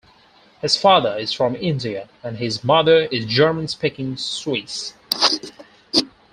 His father is from India and his mother is German-speaking Swiss.